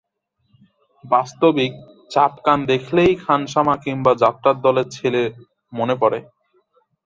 বাস্তবিক, চাপকান দেখলেই খানসামা কিম্বা যাত্রার দলের ছেলে মনে পড়ে।